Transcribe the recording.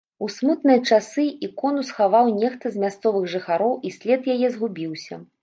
У смутныя часы ікону схаваў нехта з мясцовых жыхароў і след яе згубіўся.